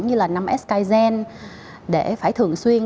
như là năm s kaizen để phải thường xuyên